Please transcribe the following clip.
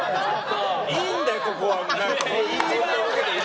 いいんだよ、ここは！